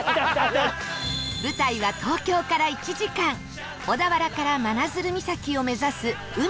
舞台は東京から１時間小田原から真鶴岬を目指す海の秘境ルート